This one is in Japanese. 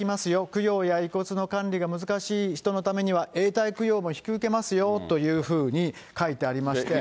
供養や遺骨の管理が難しい人のためには永代供養も引き受けますよというふうに書いてありまして。